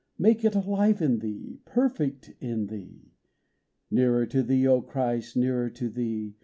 Make it alive in Thee, — Perfect in Thee ! Nearer to Thee, O Christ, Nearer to Thee